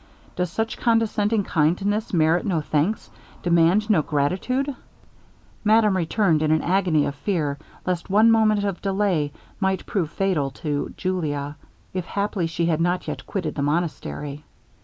Does such condescending kindness merit no thanks demand no gratitude?' Madame returned in an agony of fear, lest one moment of delay might prove fatal to Julia, if haply she had not yet quitted the monastery.